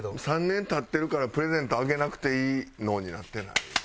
「３年経ってるからプレゼントあげなくていいの」になってない？